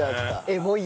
エモい！